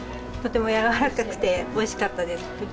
とてもやわらかくておいしかったです。